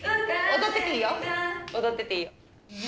踊ってていいよ。